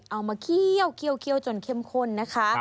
มาเคี่ยวจนเข้มข้นนะคะ